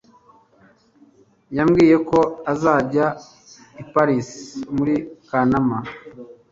Yambwiye ko azajya i Paris muri Kanama